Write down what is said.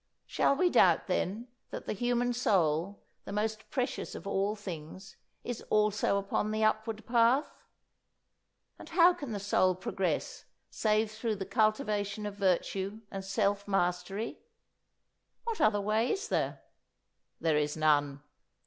Shall we doubt, then, that the human soul, the most precious of all things, is also upon the upward path? And how can the soul progress save through the cultivation of virtue and self mastery? What other way is there? There is none.